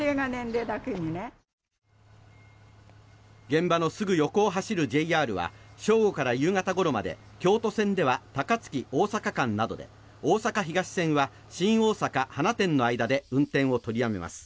現場のすぐ横を走るＪＲは正午から夕方ごろまで京都線では高槻から大阪間などでおおさか東線は新大阪から放出の間で運転を取り止めます。